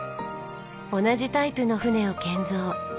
同じタイプの船を建造。